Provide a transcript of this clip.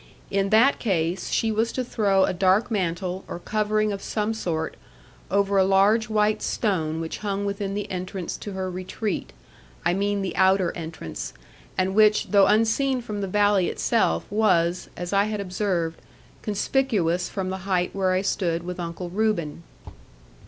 In that case, she was to throw a dark mantle, or covering of some sort, over a large white stone which hung within the entrance to her retreat I mean the outer entrance and which, though unseen from the valley itself, was (as I had observed) conspicuous from the height where I stood with Uncle Reuben.